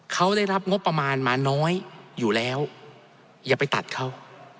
เขาได้รับงบประมาณมาน้อยอยู่แล้วอย่าไปตัดเขา